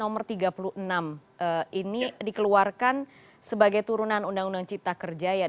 nomor tiga puluh enam ini dikeluarkan sebagai turunan undang undang cipta kerja ya